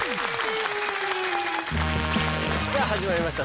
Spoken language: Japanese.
さあ始まりました